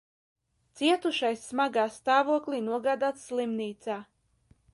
Cietušais smagā stāvoklī nogādāts slimnīcā.